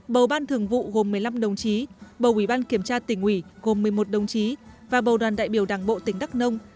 bầu ban thường vụ gồm một mươi năm đồng chí bầu ủy ban kiểm tra tỉnh ủy gồm một mươi một đồng chí và bầu đoàn đại biểu đảng bộ tỉnh đắk nông